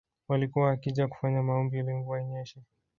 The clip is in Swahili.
Walikuwa wakija kufanya maombi ili mvua inyeshe